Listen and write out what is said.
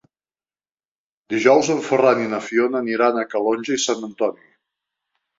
Dijous en Ferran i na Fiona aniran a Calonge i Sant Antoni.